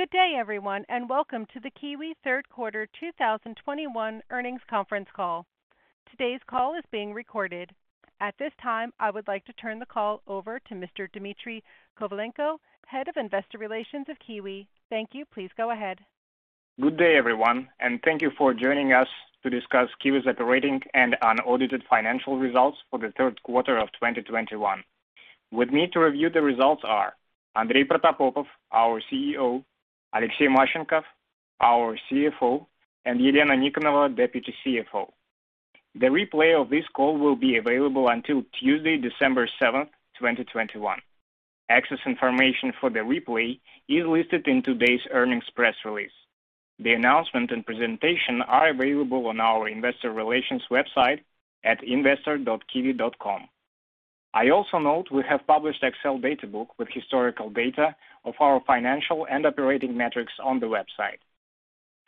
Good day, everyone, and welcome to the QIWI third quarter 2021 earnings conference call. Today's call is being recorded. At this time, I would like to turn the call over to Mr. Dmitry Kovalenko, Head of Investor Relations of QIWI. Thank you. Please go ahead. Good day everyone, and thank you for joining us to discuss QIWI's operating and unaudited financial results for the third quarter of 2021. With me to review the results are Andrey Protopopov, our CEO, Alexey Mashchenkov, our CFO, and Elena Nikonova, Deputy CFO. The replay of this call will be available until Tuesday, December 7th, 2021. Access information for the replay is listed in today's earnings press release. The announcement and presentation are available on our investor relations website at investor.qiwi.com. I also note we have published Excel data book with historical data of our financial and operating metrics on the website.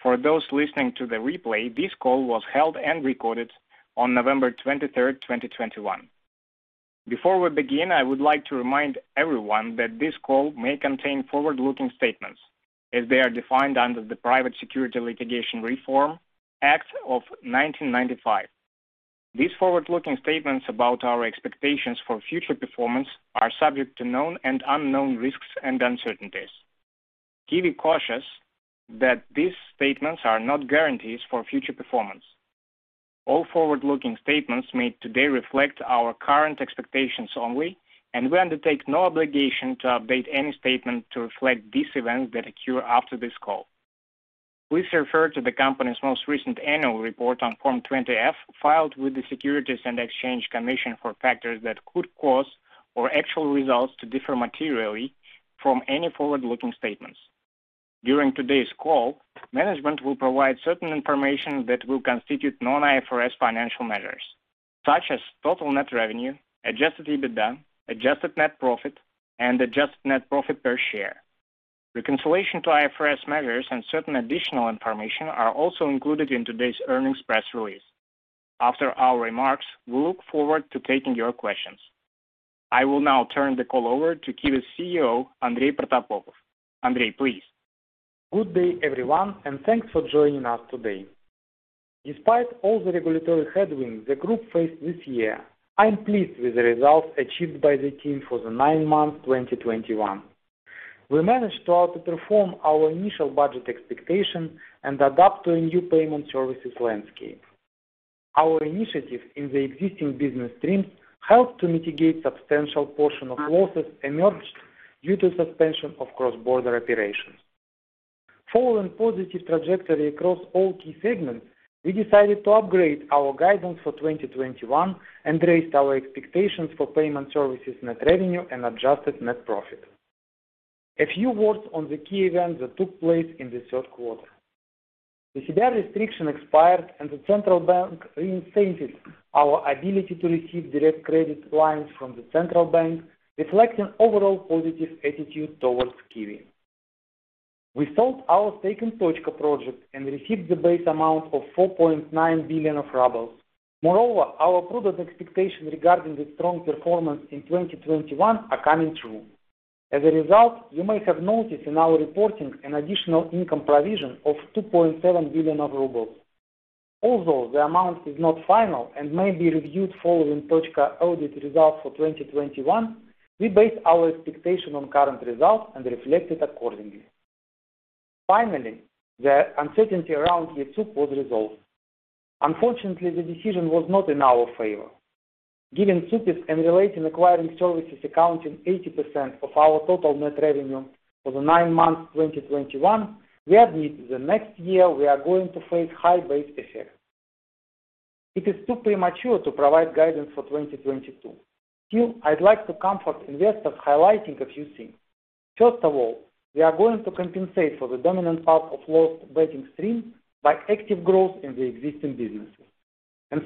For those listening to the replay, this call was held and recorded on November 23, 2021. Before we begin, I would like to remind everyone that this call may contain forward-looking statements as they are defined under the Private Securities Litigation Reform Act of 1995. These forward-looking statements about our expectations for future performance are subject to known and unknown risks and uncertainties. QIWI cautions that these statements are not guarantees for future performance. All forward-looking statements made today reflect our current expectations only, and we undertake no obligation to update any statement to reflect these events that occur after this call. Please refer to the company's most recent annual report on Form 20-F, filed with the Securities and Exchange Commission for factors that could cause our actual results to differ materially from any forward-looking statements. During today's call, management will provide certain information that will constitute non-IFRS financial measures such as total net revenue, adjusted EBITDA, adjusted net profit, and adjusted net profit per share. Reconciliation to IFRS measures and certain additional information are also included in today's earnings press release. After our remarks, we look forward to taking your questions. I will now turn the call over to QIWI's CEO, Andrey Protopopov. Andrey, please. Good day everyone, and thanks for joining us today. Despite all the regulatory headwinds the group faced this year, I'm pleased with the results achieved by the team for the nine months 2021. We managed to outperform our initial budget expectations and adapt to a new payment services landscape. Our initiative in the existing business streams helped to mitigate substantial portion of losses emerged due to suspension of cross-border operations. Following positive trajectory across all key segments, we decided to upgrade our guidance for 2021 and raised our expectations for payment services net revenue and adjusted net profit. A few words on the key events that took place in the third quarter. The CBR restriction expired and the central bank reinstated our ability to receive direct credit lines from the central bank, reflecting overall positive attitude toward QIWI. We sold our stake in Tochka project and received the base amount of 4.9 billion rubles. Moreover, our prudent expectations regarding the strong performance in 2021 are coming true. As a result, you may have noticed in our reporting an additional income provision of 2.7 billion rubles. Although the amount is not final and may be reviewed following Tochka audit results for 2021, we base our expectation on current results and reflect it accordingly. Finally, the uncertainty around TSUPIS was resolved. Unfortunately, the decision was not in our favor. Given TSUPIS and related acquiring services accounting 80% of our total net revenue for the nine months 2021, we admit the next year we are going to face high base effects. It is too premature to provide guidance for 2022. Still, I'd like to comfort investors highlighting a few things. First of all, we are going to compensate for the dominant part of lost betting stream by active growth in the existing businesses.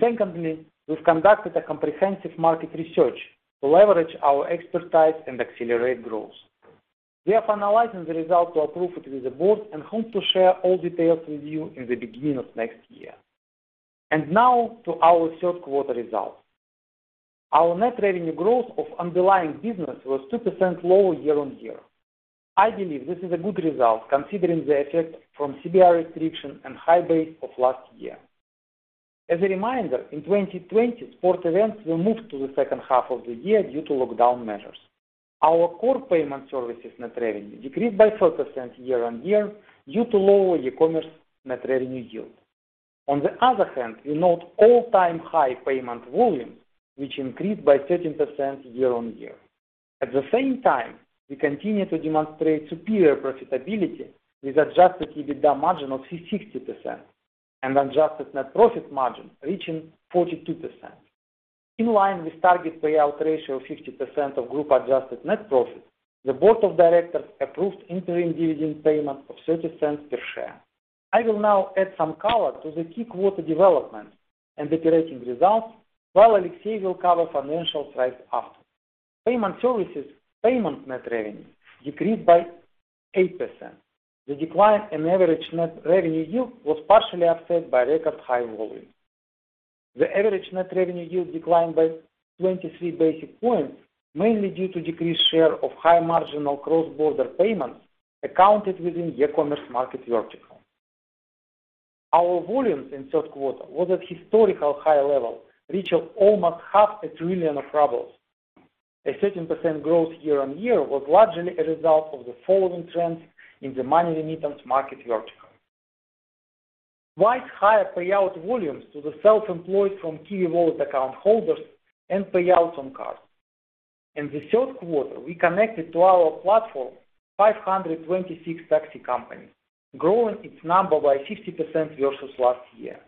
Secondly, we've conducted a comprehensive market research to leverage our expertise and accelerate growth. We are finalizing the results to approve it with the board and hope to share all details with you in the beginning of next year. Now to our third quarter results. Our net revenue growth of underlying business was 2% lower year-on-year. I believe this is a good result considering the effect from CBR restriction and high base of last year. As a reminder, in 2020, sport events were moved to the second half of the year due to lockdown measures. Our core payment services net revenue decreased by 4% year-on-year due to lower e-commerce net revenue yield. On the other hand, we note all-time high payment volume, which increased by 13% year-on-year. At the same time, we continue to demonstrate superior profitability with adjusted EBITDA margin of 60% and adjusted net profit margin reaching 42%. In line with target payout ratio of 50% of group adjusted net profit, the board of directors approved interim dividend payment of $0.30 per share. I will now add some color to the key quarter developments and operating results, while Alexey will cover financials right after. Payment Services payment net revenue decreased by 8%. The decline in average net revenue yield was partially offset by record high volume. The average net revenue yield declined by 23 basis points, mainly due to decreased share of high marginal cross-border payments accounted within the commerce market vertical. Our volumes in third quarter were at historical high level, reaching almost half a trillion RUB. A 13% growth year-on-year was largely a result of the following trends in the money remittance market vertical. Twice higher payout volumes to the self-employed from QIWI Wallet account holders and payouts on cards. In the third quarter, we connected to our platform 526 taxi companies, growing its number by 50% versus last year.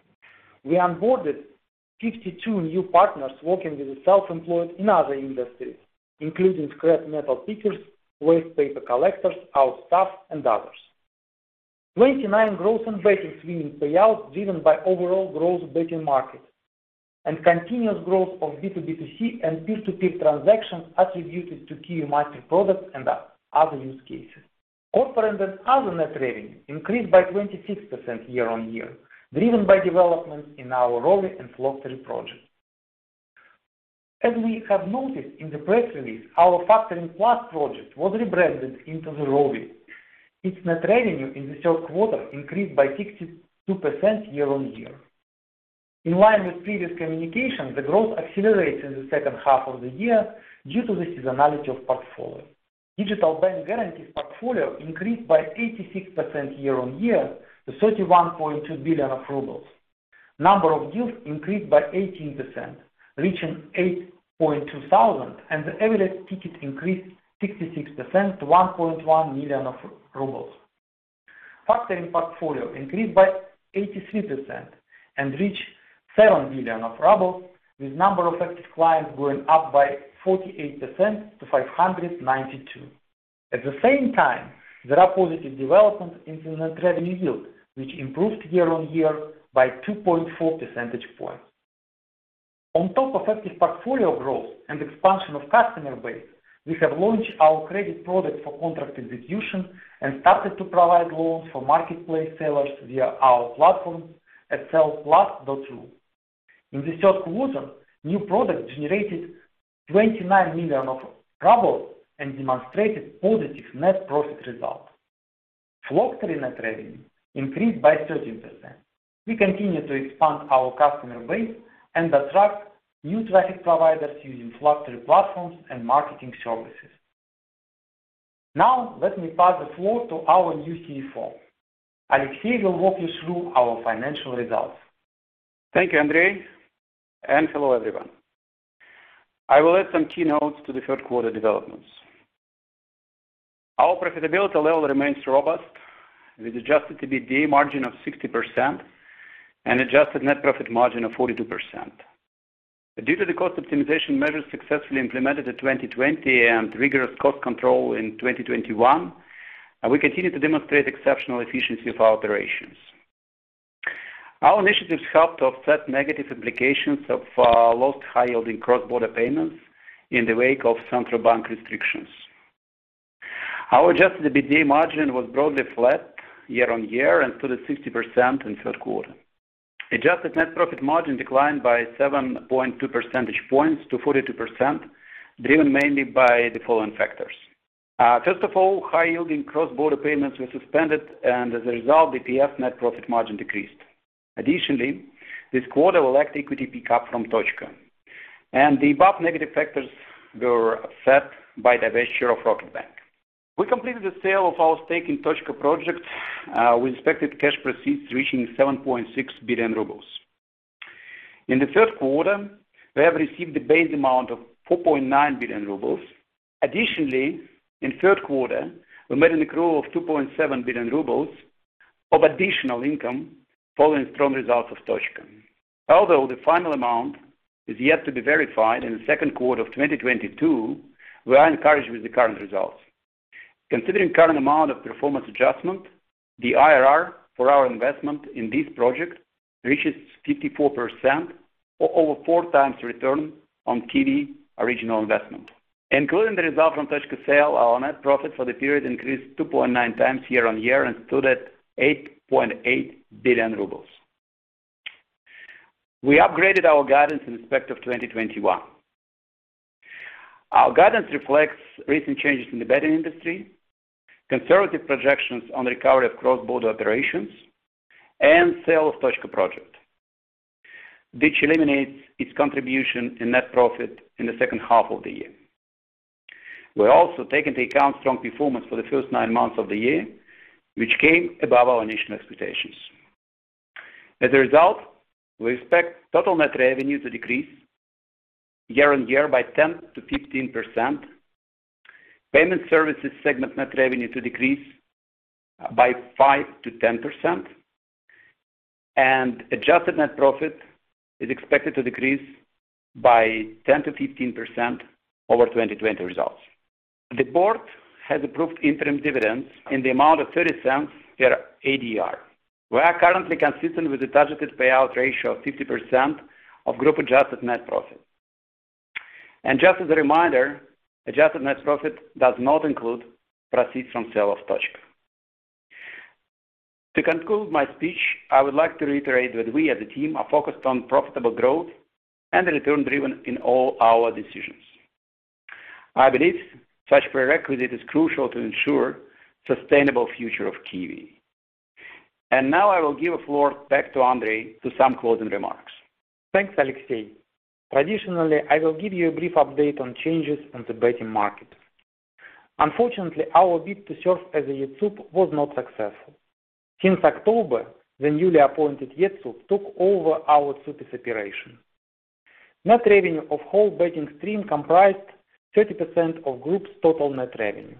We onboarded 52 new partners working with the self-employed in other industries, including scrap metal pickers, waste paper collectors, house staff, and others. 29% growth in betting winnings payouts driven by overall growth in the betting market and continuous growth of B2B2C and peer-to-peer transactions attributed to QIWI Master products and other use cases. Other net revenue increased by 26% year-on-year, driven by developments in our Rovi and Flocktory projects. As we have noted in the press release, our Factoring PLUS project was rebranded into the Rovi. Its net revenue in the third quarter increased by 62% year-on-year. In line with previous communication, the growth accelerates in the second half of the year due to the seasonality of portfolio. Digital bank guarantees portfolio increased by 86% year-on-year to 31.2 billion rubles. Number of deals increased by 18%, reaching 8,200, and the average ticket increased 66% to 1.1 million rubles. Factoring portfolio increased by 83% and reached 7 billion rubles, with number of active clients going up by 48% to 592. At the same time, there are positive developments in the net revenue yield, which improved year-on-year by 2.4 percentage points. On top of active portfolio growth and expansion of customer base, we have launched our credit product for contract execution and started to provide loans for marketplace sellers via our platform at sellplus.ru. In the third quarter, new product generated 29 million and demonstrated positive net profit result. Flocktory net revenue increased by 13%. We continue to expand our customer base and attract new traffic providers using Flocktory platforms and marketing services. Now let me pass the floor to our new CFO. Alexey will walk you through our financial results. Thank you, Andrey, and hello, everyone. I will add some key notes to the third quarter developments. Our profitability level remains robust with adjusted EBITDA margin of 60% and adjusted net profit margin of 42%. Due to the cost optimization measures successfully implemented in 2020 and rigorous cost control in 2021, we continue to demonstrate exceptional efficiency of our operations. Our initiatives helped to offset negative implications of lost high-yielding cross-border payments in the wake of central bank restrictions. Our adjusted EBITDA margin was broadly flat year-on-year and stood at 60% in the third quarter. Adjusted net profit margin declined by 7.2 percentage points to 42%, driven mainly by the following factors. First of all, high-yielding cross-border payments were suspended, and as a result, the PF net profit margin decreased. Additionally, this quarter we lacked equity pick up from Tochka. The above negative factors were offset by the best share of Rocketbank. We completed the sale of our stake in Tochka project with expected cash proceeds reaching 7.6 billion rubles. In the third quarter, we have received the base amount of 4.9 billion rubles. Additionally, in the third quarter, we made an accrual of 2.7 billion rubles of additional income following strong results of Tochka. Although the final amount is yet to be verified in the second quarter of 2022, we are encouraged with the current results. Considering current amount of performance adjustment, the IRR for our investment in this project reaches 54% or over 4 times return on QIWI original investment. Including the result from Tochka sale, our net profit for the period increased 2.9 times year-on-year and stood at 8.8 billion rubles. We upgraded our guidance in respect of 2021. Our guidance reflects recent changes in the betting industry, conservative projections on recovery of cross-border operations, and sale of Tochka project, which eliminates its contribution and net profit in the second half of the year. We're also taking into account strong performance for the first nine months of the year, which came above our initial expectations. As a result, we expect total net revenue to decrease year-on-year by 10%-15%, payment services segment net revenue to decrease by 5%-10%, and adjusted net profit is expected to decrease by 10%-15% over 2020 results. The board has approved interim dividends in the amount of $0.30 per ADR. We are currently consistent with the targeted payout ratio of 50% of group-adjusted net profit. Just as a reminder, adjusted net profit does not include proceeds from sale of Tochka. To conclude my speech, I would like to reiterate that we as a team are focused on profitable growth and return driven in all our decisions. I believe such prerequisite is crucial to ensure sustainable future of QIWI. Now I will give the floor back to Andrey to some closing remarks. Thanks, Alexey. Traditionally, I will give you a brief update on changes in the betting market. Unfortunately, our bid to serve as a TSUPIS was not successful. Since October, the newly appointed TSUPIS took over our TSUPIS operation. Net revenue of whole betting stream comprised 30% of Group's total net revenue.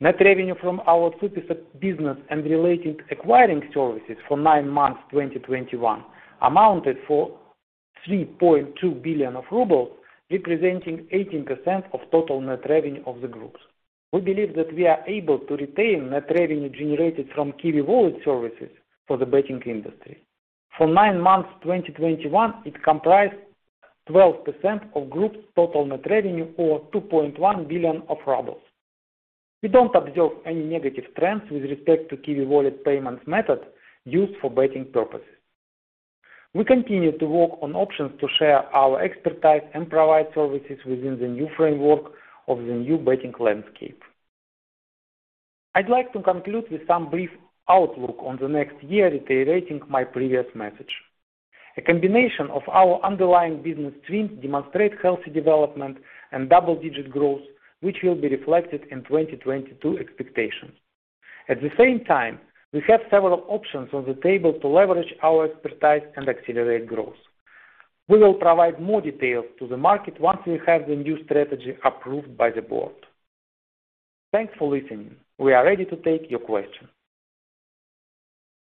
Net revenue from our TSUPIS business and relating acquiring services for nine months 2021 amounted to 3.2 billion rubles, representing 18% of total net revenue of the Group. We believe that we are able to retain net revenue generated from QIWI Wallet services for the betting industry. For nine months 2021, it comprised 12% of Group's total net revenue, or 2.1 billion rubles. We don't observe any negative trends with respect to QIWI Wallet payment method used for betting purposes. We continue to work on options to share our expertise and provide services within the new framework of the new betting landscape. I'd like to conclude with some brief outlook on the next year, reiterating my previous message. A combination of our underlying business streams demonstrate healthy development and double-digit growth, which will be reflected in 2022 expectations. At the same time, we have several options on the table to leverage our expertise and accelerate growth. We will provide more details to the market once we have the new strategy approved by the board. Thanks for listening. We are ready to take your questions.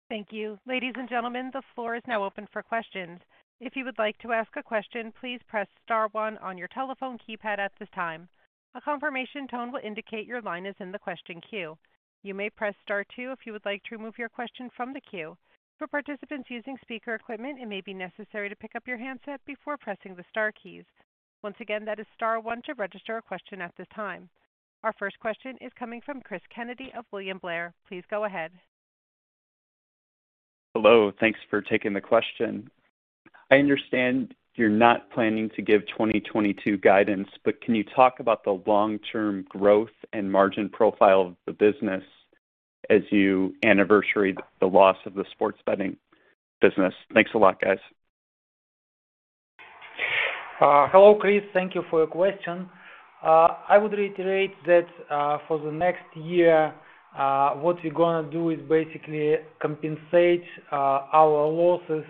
Thank you. Ladies and gentlemen, the floor is now open for questions. If you would like to ask a question, please press star one on your telephone keypad at this time. A confirmation tone will indicate your line is in the question queue. You may press star two if you would like to remove your question from the queue. For participants using speaker equipment, it may be necessary to pick up your handset before pressing the star keys. Once again, that is star one to register a question at this time. Our first question is coming from Cris Kennedy of William Blair. Please go ahead. Hello. Thanks for taking the question. I understand you're not planning to give 2022 guidance, but can you talk about the long-term growth and margin profile of the business as you anniversary the loss of the sports betting business? Thanks a lot, guys. Hello, Cris. Thank you for your question. I would reiterate that, for the next year, what we're gonna do is basically compensate our losses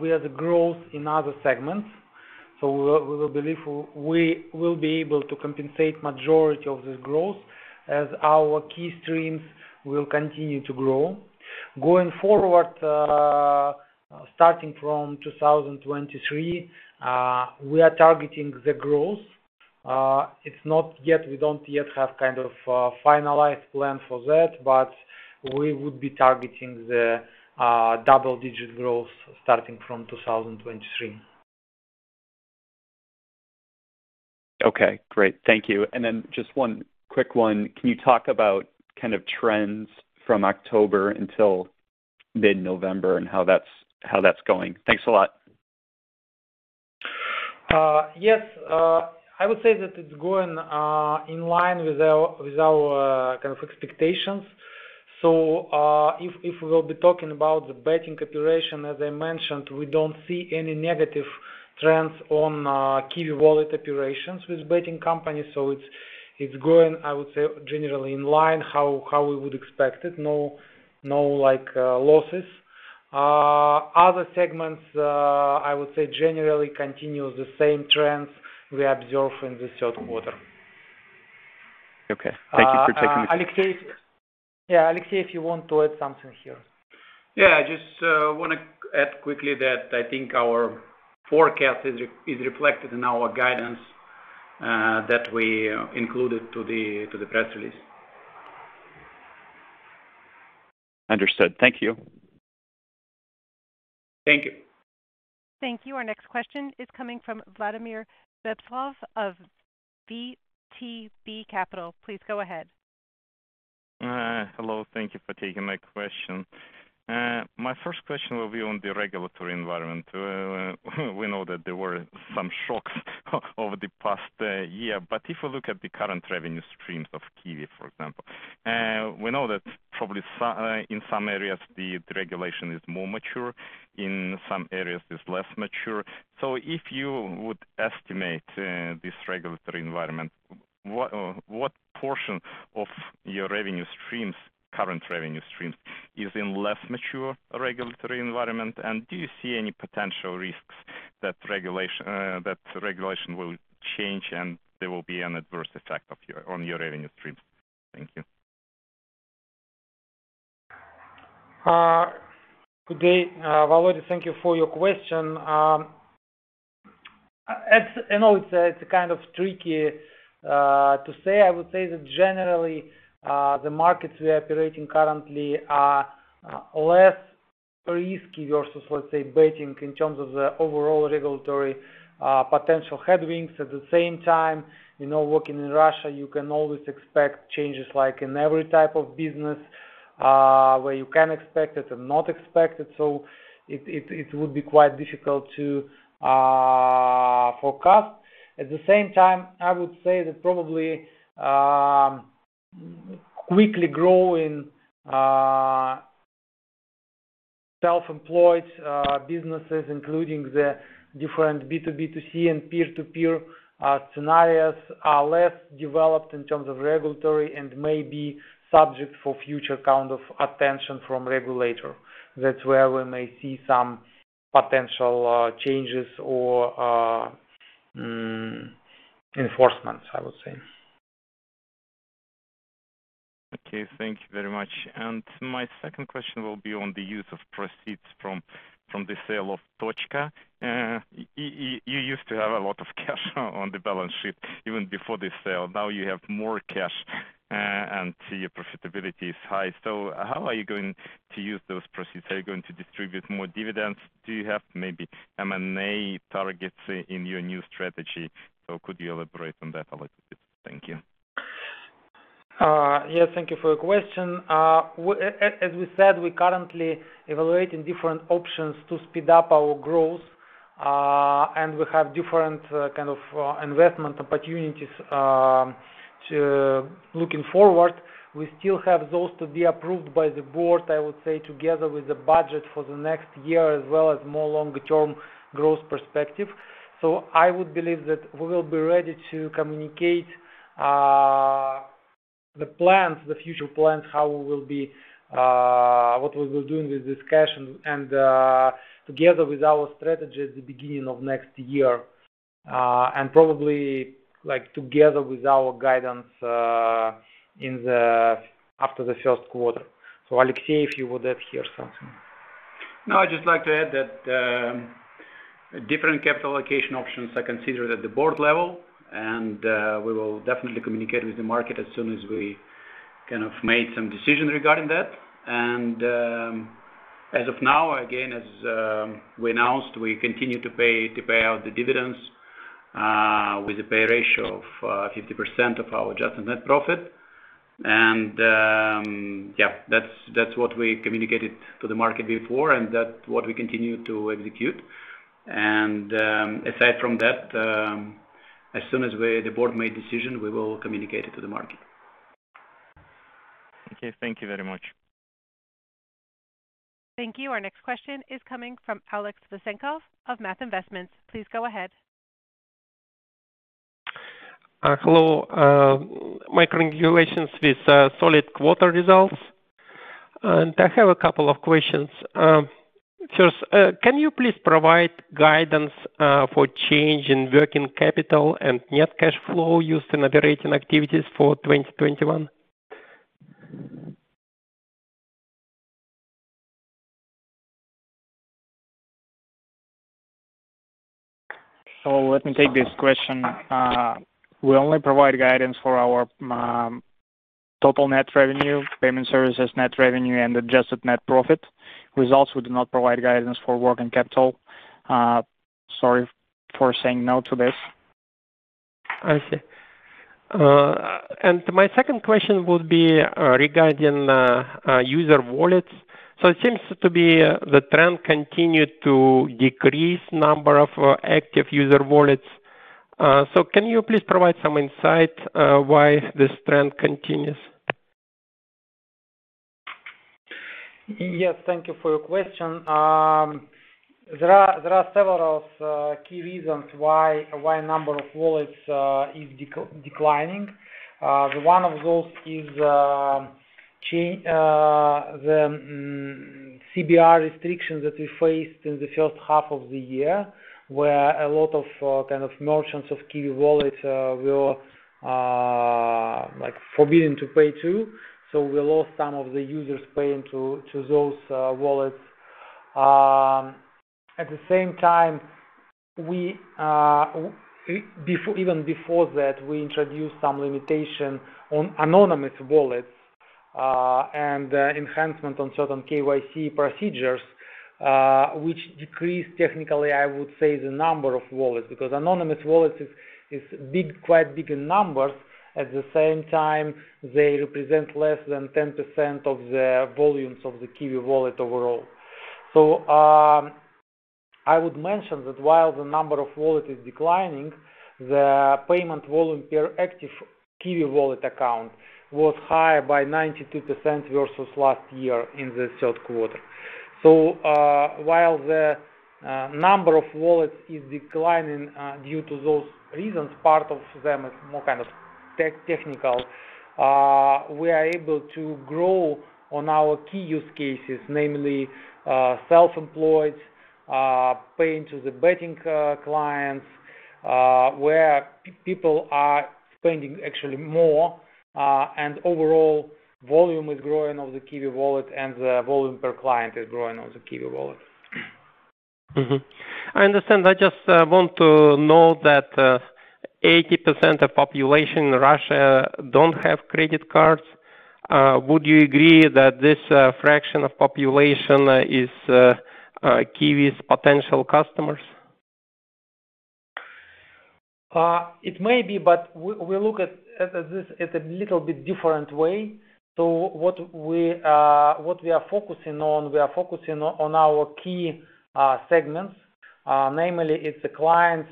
via the growth in other segments. We will believe we will be able to compensate majority of the growth as our key streams will continue to grow. Going forward, starting from 2023, we are targeting the growth. We don't yet have kind of a finalized plan for that, but we would be targeting the double-digit growth starting from 2023. Okay, great. Thank you. Just one quick one. Can you talk about kind of trends from October until mid-November and how that's going? Thanks a lot. Yes. I would say that it's going in line with our kind of expectations. If we will be talking about the betting operation, as I mentioned, we don't see any negative trends on QIWI Wallet operations with betting companies. It's going, I would say, generally in line how we would expect it. No like losses. Other segments, I would say generally continue the same trends we observe in the third quarter. Okay. Thank you for taking the Alexey. Yeah, Alexey, if you want to add something here. Yeah. I just wanna add quickly that I think our forecast is reflected in our guidance that we included to the press release. Understood. Thank you. Thank you. Thank you. Our next question is coming from Vladimir Bespalov of VTB Capital. Please go ahead. Hello. Thank you for taking my question. My first question will be on the regulatory environment. We know that there were some shocks over the past year, but if you look at the current revenue streams of QIWI, for example, we know that probably in some areas the regulation is more mature, in some areas is less mature. If you would estimate this regulatory environment, what portion of your revenue streams, current revenue streams is in less mature regulatory environment? And do you see any potential risks that regulation will change and there will be an adverse effect on your revenue streams? Thank you. Good day. Vladimir, thank you for your question. You know, it's kind of tricky to say. I would say that generally, the markets we are operating currently are less risky versus, let's say, betting in terms of the overall regulatory potential headwinds. At the same time, you know, working in Russia, you can always expect changes like in every type of business where you can expect it and not expect it. It would be quite difficult to forecast. At the same time, I would say that probably quickly growing self-employed businesses, including the different B2B2C and peer-to-peer scenarios are less developed in terms of regulatory and may be subject for future kind of attention from regulator. That's where we may see some potential changes or enforcements, I would say. Okay, thank you very much. My second question will be on the use of proceeds from the sale of Tochka. You used to have a lot of cash on the balance sheet even before the sale. Now you have more cash, and your profitability is high. How are you going to use those proceeds? Are you going to distribute more dividends? Do you have maybe M&A targets in your new strategy? Could you elaborate on that a little bit? Thank you. Yes, thank you for your question. As we said, we currently evaluating different options to speed up our growth, and we have different kind of investment opportunities to looking forward. We still have those to be approved by the board, I would say, together with the budget for the next year, as well as more longer-term growth perspective. I would believe that we will be ready to communicate the plans, the future plans, how we will be, what we will doing with this cash and together with our strategy at the beginning of next year, and probably like together with our guidance after the first quarter. Alexey, if you would add here something. No, I'd just like to add that different capital allocation options are considered at the board level, and we will definitely communicate with the market as soon as we kind of made some decision regarding that. As of now, again, as we announced, we continue to pay out the dividends with a payout ratio of 50% of our adjusted net profit. Yeah, that's what we communicated to the market before and that's what we continue to execute. Aside from that, as soon as the board made decision, we will communicate it to the market. Okay. Thank you very much. Thank you. Our next question is coming from Aleksey Vasenkov of Aton Investments. Please go ahead. Hello, my congratulations with solid quarter results. I have a couple of questions. First, can you please provide guidance for change in working capital and net cash flow used in operating activities for 2021? Let me take this question. We only provide guidance for our total net revenue, payment services net revenue, and adjusted net profit. With that said, we do not provide guidance for working capital. Sorry for saying no to this. I see. My second question would be regarding user wallets. It seems to be the trend continued to decrease number of active user wallets. Can you please provide some insight why this trend continues? Yes, thank you for your question. There are several key reasons why the number of wallets is declining. One of those is the CBR restrictions that we faced in the first half of the year, where a lot of kind of merchants of QIWI wallets were like forbidden to pay to. We lost some of the users paying to those wallets. At the same time, even before that, we introduced some limitation on anonymous wallets and enhancement on certain KYC procedures, which decreased technically, I would say, the number of wallets, because anonymous wallets is big, quite big in numbers. At the same time, they represent less than 10% of the volumes of the QIWI Wallet overall. I would mention that while the number of wallet is declining, the payment volume per active QIWI Wallet account was higher by 92% versus last year in the third quarter. While the number of wallets is declining due to those reasons, part of them is more kind of technical, we are able to grow on our key use cases, namely, self-employed, paying to the betting clients, where people are spending actually more, and overall volume is growing of the QIWI Wallet and the volume per client is growing on the QIWI Wallet. I understand. I just want to know that 80% of population in Russia don't have credit cards. Would you agree that this fraction of population is QIWI's potential customers? It may be, but we look at this as a little bit different way. What we are focusing on, we are focusing on our key segments. Namely it's the clients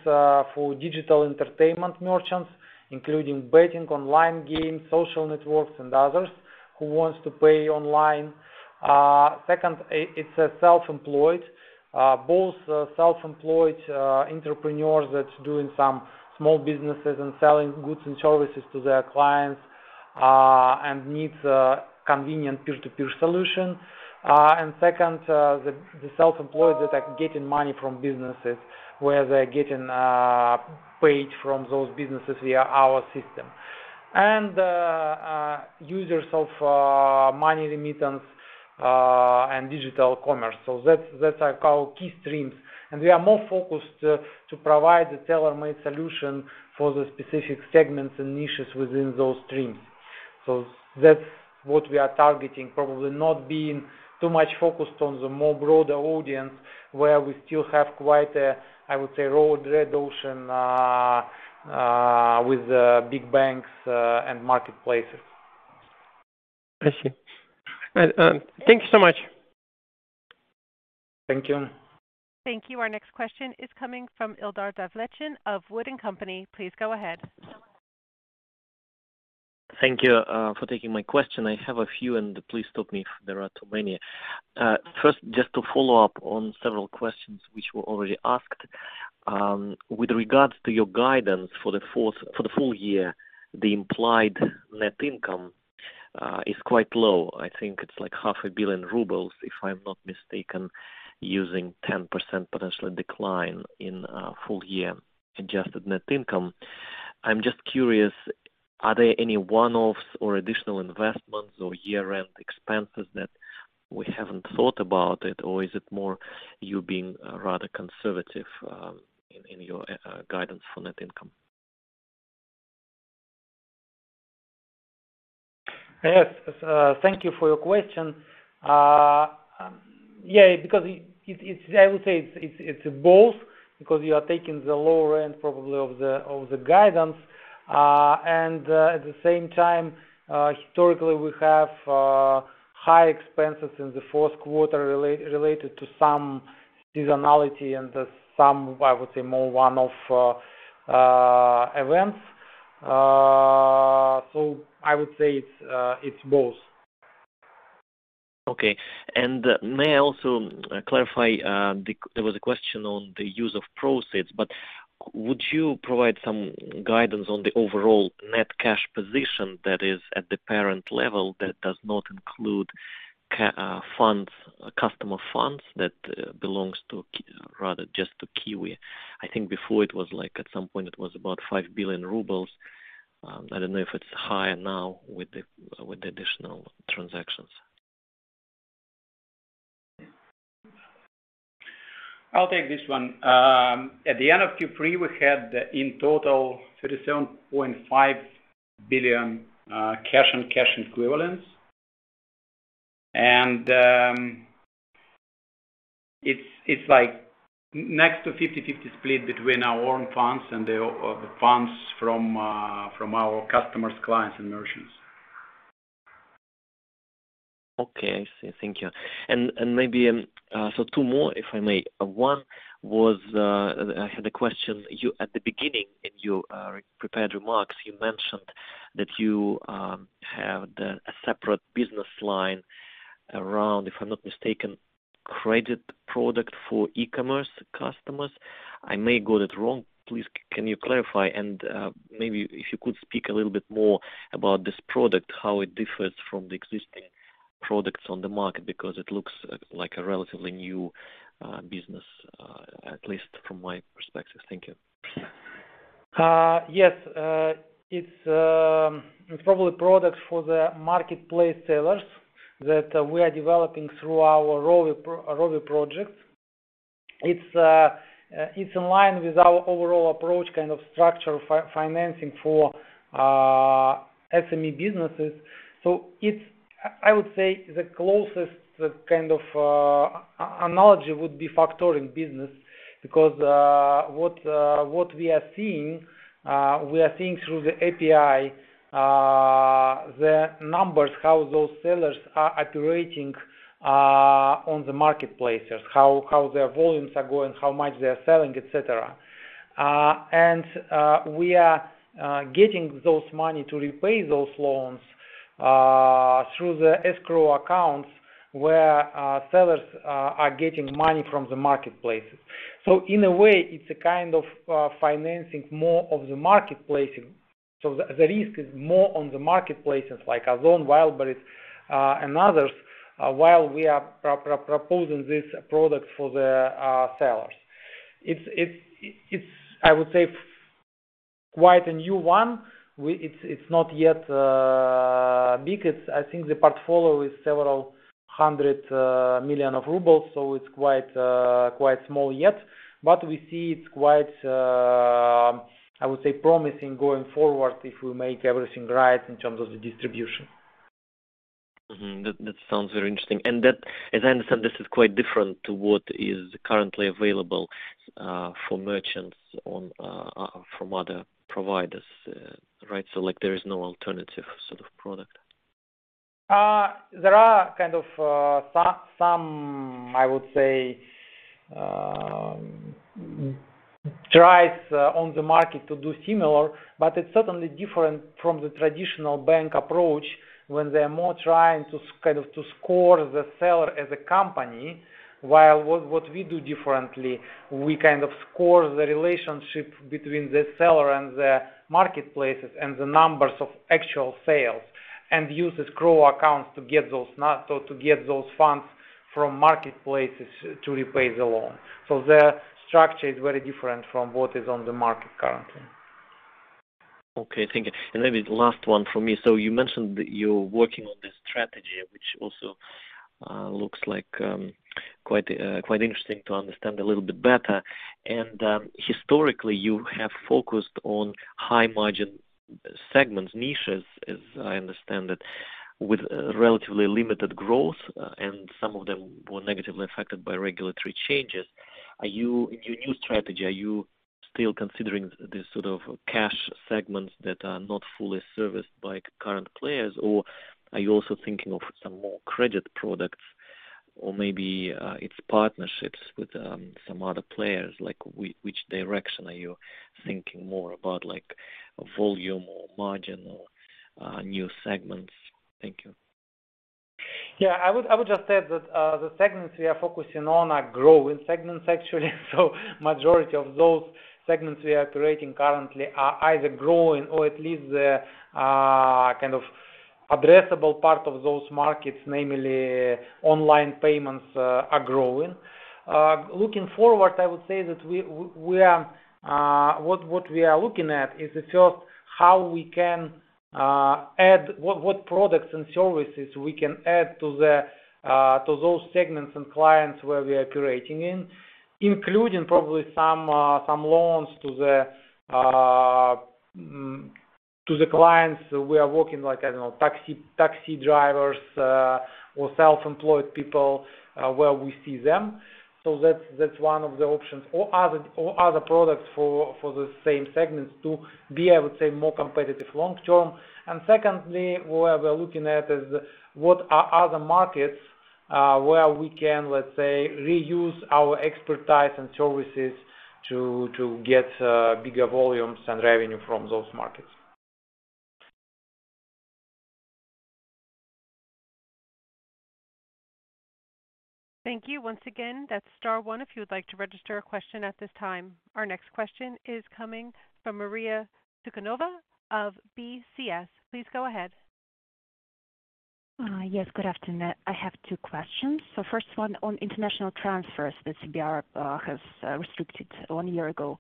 for digital entertainment merchants, including betting, online games, social networks and others who wants to pay online. Second, it's the self-employed. Both self-employed entrepreneurs that's doing some small businesses and selling goods and services to their clients and needs a convenient peer-to-peer solution. Second, the self-employed that are getting money from businesses where they're getting paid from those businesses via our system. Users of money remittance and digital commerce. That's our key streams. We are more focused to provide the tailor-made solution for the specific segments and niches within those streams. That's what we are targeting, probably not being too much focused on the more broader audience where we still have quite a, I would say, red ocean with big banks and marketplaces. I see. Thank you so much. Thank you. Thank you. Our next question is coming from Ildar Davletshin of WOOD & Co. Please go ahead. Thank you for taking my question. I have a few, and please stop me if there are too many. First, just to follow up on several questions which were already asked. With regards to your guidance for the full year, the implied net income is quite low. I think it's like half a billion RUB, if I'm not mistaken, using 10% potential decline in full year adjusted net income. I'm just curious, are there any one-offs or additional investments or year-end expenses that we haven't thought about it, or is it more you being rather conservative in your guidance for net income? Yes. Thank you for your question. Yeah, because it's both because you are taking the lower end probably of the guidance. At the same time, historically, we have high expenses in the fourth quarter related to some seasonality and some, I would say, more one-off events. I would say it's both. Okay. May I also clarify, there was a question on the use of proceeds, but would you provide some guidance on the overall net cash position that is at the parent level that does not include funds, customer funds that belongs to QIWI, rather just to QIWI? I think before it was like, at some point it was about 5 billion rubles. I don't know if it's higher now with the additional transactions. I'll take this one. At the end of Q3, we had in total 37.5 billion cash and cash equivalents. It's like next to 50/50 split between our own funds and the funds from our customers, clients and merchants. Okay. I see. Thank you. Maybe so two more, if I may. One was, I had a question. You at the beginning in your prepared remarks, you mentioned that you have a separate business line around, if I'm not mistaken, credit product for e-commerce customers. I may got it wrong. Please can you clarify? Maybe if you could speak a little bit more about this product, how it differs from the existing products on the market, because it looks like a relatively new business, at least from my perspective. Thank you. Yes. It's probably a product for the marketplace sellers that we are developing through our Rovi projects. It's in line with our overall approach, kind of structured financing for SME businesses. It's. I would say the closest kind of analogy would be factoring business, because what we are seeing through the API the numbers, how those sellers are operating on the marketplaces, how their volumes are going, how much they are selling, etc. And we are getting those money to repay those loans through the escrow accounts where sellers are getting money from the marketplaces. In a way, it's a kind of financing more of the marketplace. The risk is more on the marketplaces like Ozon, Wildberries, and others, while we are proposing this product for the sellers. It's, I would say, quite a new one. It's not yet big. I think the portfolio is several hundred million RUB, so it's quite small yet. But we see it's quite, I would say promising going forward if we make everything right in terms of the distribution. Mm-hmm. That sounds very interesting. That, as I understand, this is quite different to what is currently available for merchants from other providers, right? Like there is no alternative sort of product. There are kind of some, I would say, tries on the market to do similar, but it's certainly different from the traditional bank approach when they're more trying to kind of to score the seller as a company. While what we do differently, we kind of score the relationship between the seller and the marketplaces and the numbers of actual sales and use the escrow accounts to get those so to get those funds from marketplaces to repay the loan. The structure is very different from what is on the market currently. Okay, thank you. Maybe the last one from me. You mentioned that you're working on this strategy, which also looks like quite interesting to understand a little bit better. Historically, you have focused on high-margin segments, niches, as I understand it, with relatively limited growth, and some of them were negatively affected by regulatory changes. In your new strategy, are you still considering this sort of cash segments that are not fully serviced by current players, or are you also thinking of some more credit products? Maybe it's partnerships with some other players. Like, which direction are you thinking more about, like volume or margin or new segments? Thank you. I would just say that the segments we are focusing on are growing segments actually. Majority of those segments we are operating currently are either growing or at least the kind of addressable part of those markets, namely online payments, are growing. Looking forward, I would say that what we are looking at is just how we can add what products and services we can add to those segments and clients where we are operating in, including probably some loans to the clients we are working like, I don't know, taxi drivers, or self-employed people, where we see them. That's one of the options or other products for the same segments to be, I would say, more competitive long term. Secondly, where we're looking at is what are other markets where we can, let's say, reuse our expertise and services to get bigger volumes and revenue from those markets. Thank you. Once again, that's star one if you would like to register a question at this time. Our next question is coming from Maria Sukhanova of BCS. Please go ahead. Yes, good afternoon. I have two questions. First one on international transfers that CBR has restricted 1 year ago.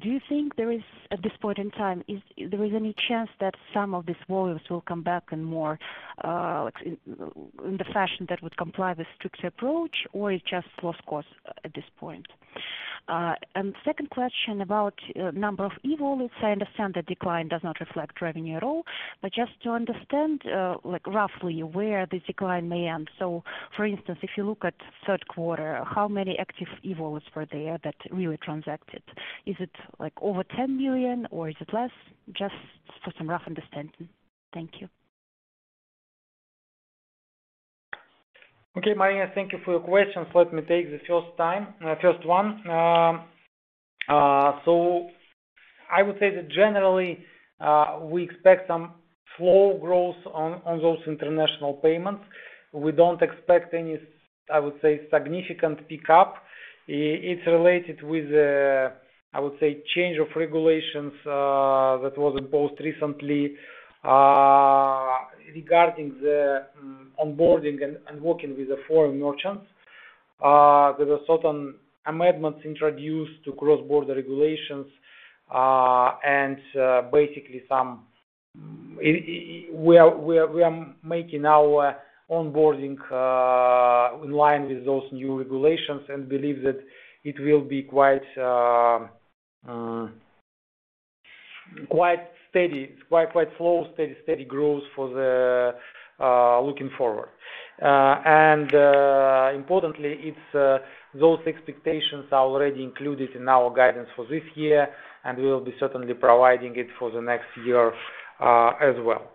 Do you think there is at this point in time any chance that some of these volumes will come back and more like in the fashion that would comply with strict approach, or it's just lost cause at this point? And second question about number of e-wallets. I understand the decline does not reflect revenue at all, but just to understand roughly where this decline may end. For instance, if you look at third quarter, how many active e-wallets were there that really transacted? Is it like over 10 million or is it less? Just for some rough understanding. Thank you. Okay, Maria, thank you for your questions. Let me take the first one. I would say that generally, we expect some slow growth on those international payments. We don't expect any, I would say, significant pickup. It's related with the, I would say, change of regulations that was imposed recently, regarding the onboarding and working with the foreign merchants. There were certain amendments introduced to cross-border regulations, and basically we are making our onboarding in line with those new regulations and believe that it will be quite steady. It's quite slow, steady growth looking forward. Importantly, those expectations are already included in our guidance for this year, and we will be certainly providing it for the next year as well.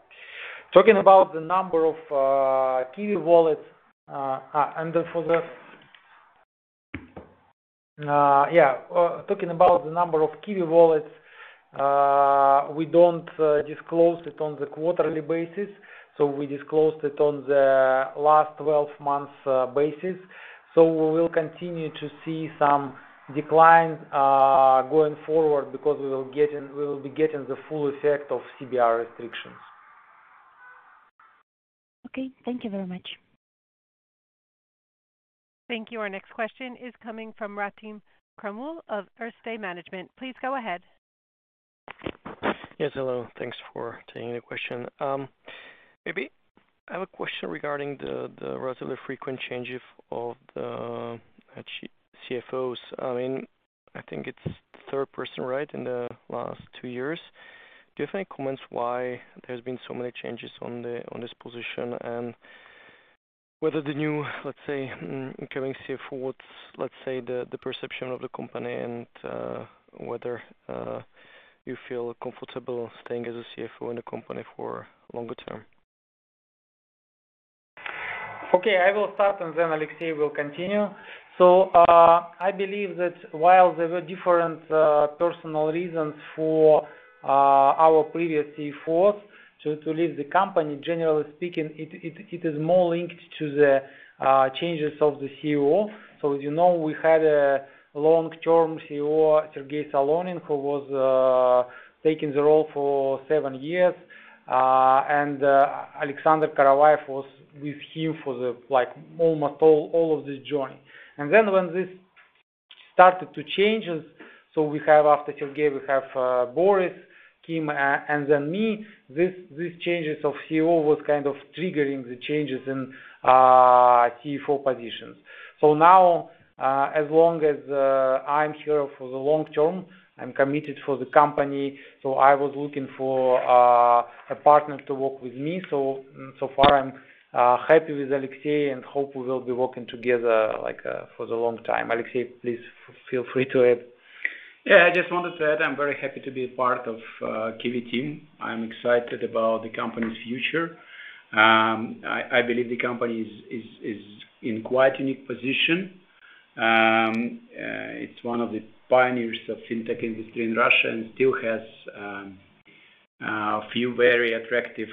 Talking about the number of QIWI wallets, we don't disclose it on the quarterly basis, so we disclose it on the last 12 months basis. We will continue to see some decline going forward because we will be getting the full effect of CBR restrictions. Okay, thank you very much. Thank you. Our next question is coming from Rahim Karimov of Sova Capital. Please go ahead. Yes, hello. Thanks for taking the question. Maybe I have a question regarding the relatively frequent changes of the CFOs. I mean, I think it's the third person, right, in the last two years. Do you have any comments why there's been so many changes on this position and whether the new, let's say, incoming CFO, what's, let's say, the perception of the company and whether you feel comfortable staying as a CFO in the company for longer term? Okay, I will start, and then Alexey will continue. I believe that while there were different personal reasons for our previous CFOs to leave the company, generally speaking, it is more linked to the changes of the CEO. As you know, we had a long-term CEO, Sergey Solonin, who was taking the role for seven years. Alexander Karavaev was with him for the like almost all of this journey. Then when this started to change, so after Sergey, Boris came and then me, these changes of CEO were kind of triggering the changes in our CFO positions. Now as long as I'm here for the long term, I'm committed for the company. I was looking for a partner to work with me. So far I'm happy with Alexey and hope we will be working together, like, for the long time. Alexey, please feel free to add. Yeah, I just wanted to add, I'm very happy to be a part of QIWI team. I'm excited about the company's future. I believe the company is in quite unique position. It's one of the pioneers of FinTech industry in Russia and still has few very attractive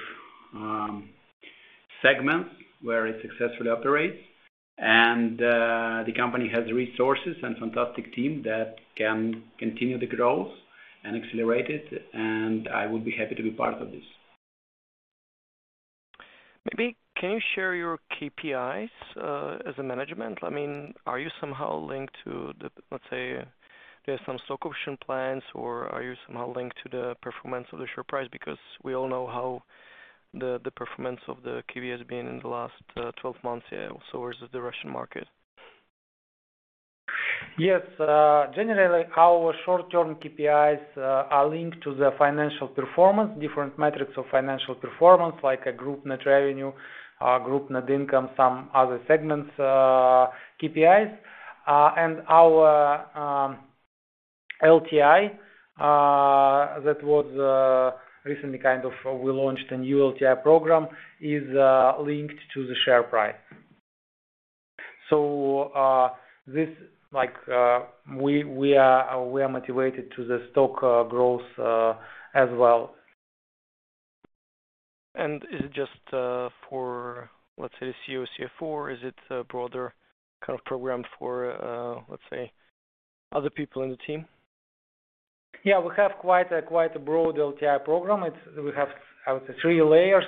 segments where it successfully operates. The company has resources and fantastic team that can continue the growth and accelerate it, and I would be happy to be part of this. Maybe can you share your KPIs as a management? I mean, are you somehow linked to the, let's say there are some stock option plans, or are you somehow linked to the performance of the share price? Because we all know how the performance of the QIWI has been in the last 12 months, yeah, so versus the Russian market. Yes. Generally, our short-term KPIs are linked to the financial performance, different metrics of financial performance like a group net revenue, group net income, some other segments, KPIs. Our LTI that was recently kind of we launched a new LTI program is linked to the share price. This like we are motivated to the stock growth as well. Is it just for, let's say, CEO, CFO, or is it a broader kind of program for, let's say, other people in the team? Yeah. We have quite a broad LTI program. We have, I would say, three layers.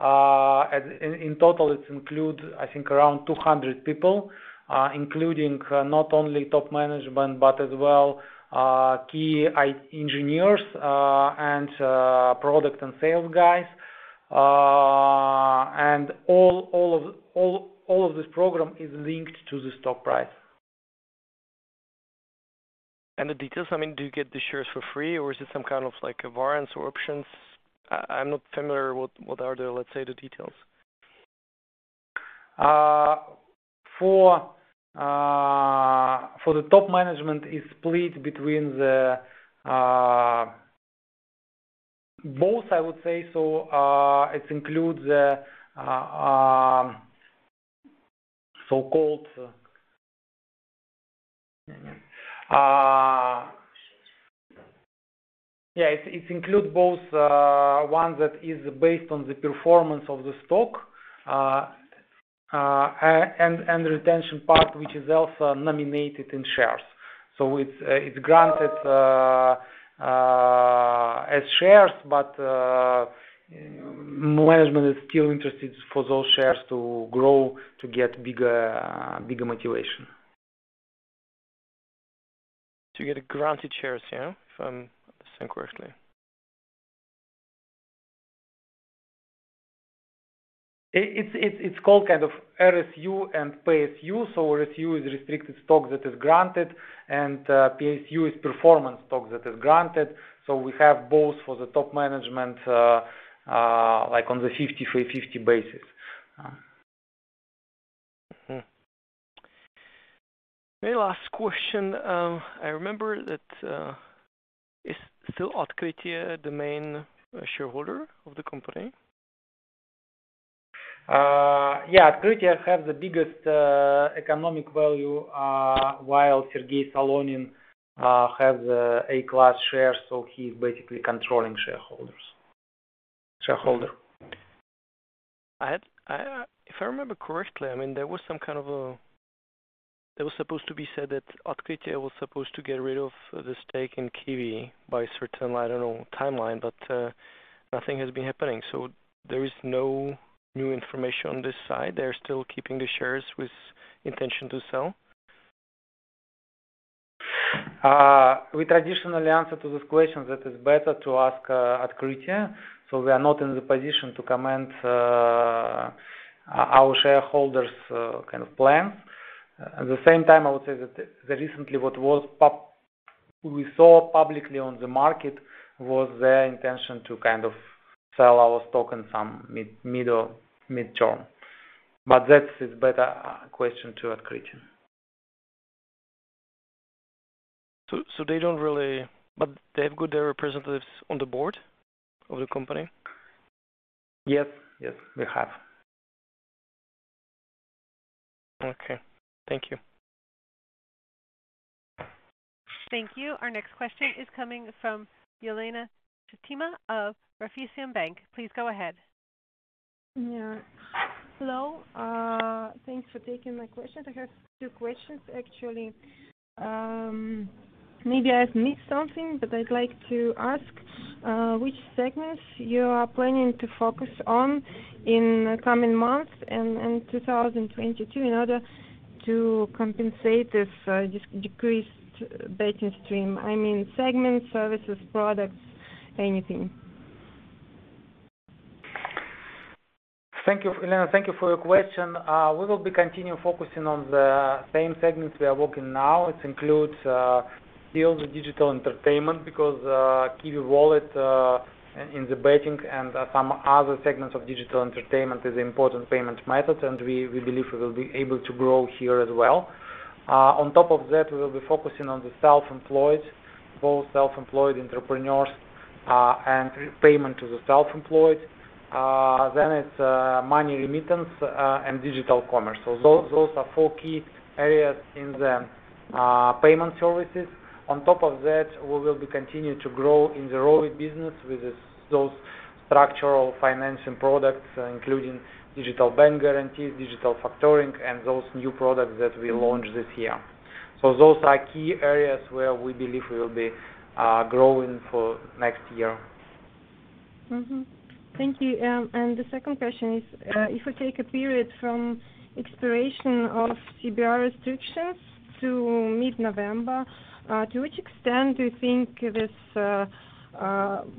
In total it includes, I think around 200 people, including not only top management, but as well key IT engineers, and product and sales guys. All of this program is linked to the stock price. The details, I mean, do you get the shares for free or is it some kind of like a warrants or options? I'm not familiar what are the, let's say, the details. For the top management, it's split between both, I would say. It includes both, one that is based on the performance of the stock, and retention part, which is also denominated in shares. It's granted as shares, but management is still interested for those shares to grow to get bigger motivation. To get granted shares, yeah, if I'm thinking correctly. It's called kind of RSU and PSU. RSU is Restricted Stock that is Granted, and PSU is Performance Stock that is Granted. We have both for the top management, like on the 50/50 basis. Maybe last question. I remember that is still Otkritie the main shareholder of the company? Otkritie has the biggest economic value while Sergey Solonin has A-class shares, so he's basically controlling shareholder. If I remember correctly, I mean, it was supposed to be said that Otkritie was supposed to get rid of the stake in QIWI by a certain, I don't know, timeline, but nothing has been happening. There is no new information on this side. They're still keeping the shares with intention to sell? We traditionally answer to this question that it is better to ask Otkritie. We are not in the position to comment on our shareholders kind of plan. At the same time, I would say that recently what we saw publicly on the market was their intention to kind of sell our stock in some midterm. That is better question to Otkritie. They don't really, but they've got their representatives on the board of the company? Yes. Yes, they have. Okay. Thank you. Thank you. Our next question is coming from Elena Tsareva of Raiffeisen Bank. Please go ahead. Yeah. Hello. Thanks for taking my question. I have two questions, actually. Maybe I missed something, but I'd like to ask which segments you are planning to focus on in coming months and 2022 in order to compensate this decreased betting stream? I mean, segments, services, products, anything. Thank you. Elena, thank you for your question. We will be continuing focusing on the same segments we are working now. It includes still the digital entertainment because QIWI Wallet in the betting and some other segments of digital entertainment is important payment method, and we believe we will be able to grow here as well. On top of that, we will be focusing on the self-employed, both self-employed entrepreneurs and payment to the self-employed. Then it's money remittance and digital commerce. Those are four key areas in the payment services. On top of that, we will be continuing to grow in the lending business with those structured financing products, including digital bank guarantees, digital factoring, and those new products that we launched this year. Those are key areas where we believe we will be growing for next year. Mm-hmm. Thank you. The second question is, if we take a period from expiration of CBR restrictions to mid-November, to which extent do you think this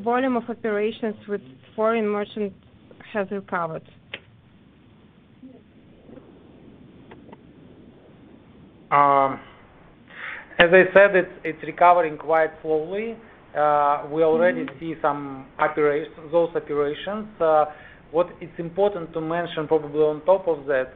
volume of operations with foreign merchants has recovered? As I said, it's recovering quite slowly. We already see some operations. What is important to mention probably on top of that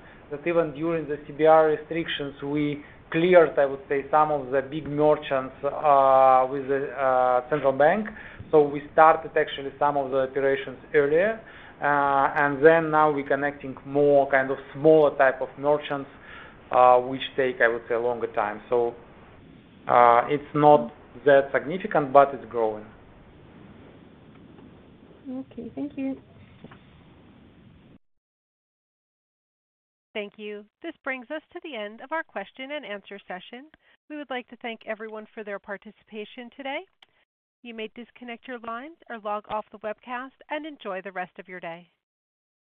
even during the CBR restrictions, we cleared, I would say, some of the big merchants with the central bank. We started actually some of the operations earlier. Now we're connecting more kind of smaller type of merchants, which take, I would say, a longer time. It's not that significant, but it's growing. Okay, thank you. Thank you. This brings us to the end of our question and answer session. We would like to thank everyone for their participation today. You may disconnect your lines or log off the webcast and enjoy the rest of your day.